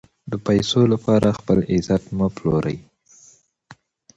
د پیسو لپاره خپل عزت مه پلورئ.